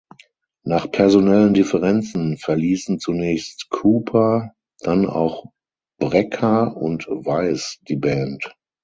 Nach personellen Differenzen verließen zunächst Kooper, dann auch Brecker und Weiss die Band.